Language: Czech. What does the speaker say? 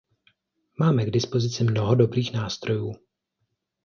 Máme k dispozici mnoho dobrých nástrojů.